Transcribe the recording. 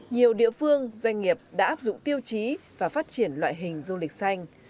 nhiều địa phương doanh nghiệp đã áp dụng tiêu chí và phát triển loại hình du lịch xanh